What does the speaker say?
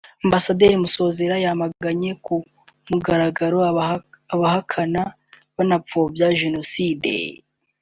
Ambasaderi Masozera yamaganye ku mugaragaro abahakana n’abapfobya Jenoside